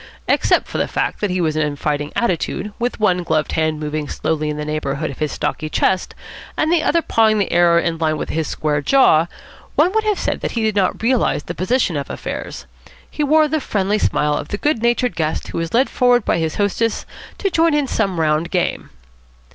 Except for the fact that he was in fighting attitude, with one gloved hand moving slowly in the neighbourhood of his stocky chest, and the other pawing the air on a line with his square jaw, one would have said that he did not realise the position of affairs. He wore the friendly smile of the good natured guest who is led forward by his hostess to join in some round game.